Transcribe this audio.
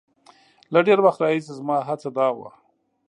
له ډېر وخت راهیسې زما هڅه دا وه.